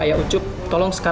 avior keri camegay armar